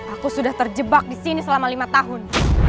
aku sudah terjebak disini selama lima tahun